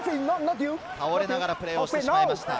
倒れながらプレーをしてしまいました。